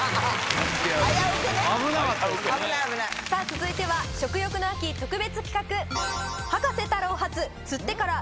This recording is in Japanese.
続いては食欲の秋特別企画。